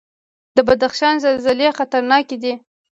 د بدخشان زلزلې خطرناکې دي